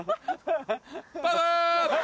パワーッ！